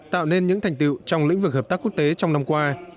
tạo nên những thành tựu trong lĩnh vực hợp tác quốc tế trong năm qua